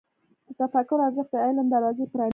د تفکر ارزښت د علم دروازه پرانیزي.